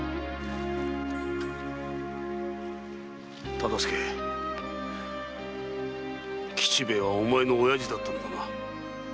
忠相吉兵衛はお前の親父だったのだな。